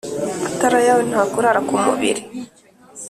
Atari ayawe ntakurara kumubili.